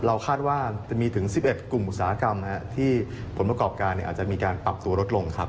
คาดว่าจะมีถึง๑๑กลุ่มอุตสาหกรรมที่ผลประกอบการอาจจะมีการปรับตัวลดลงครับ